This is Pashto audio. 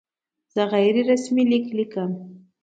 زه غیر رسمي لیک لیکم.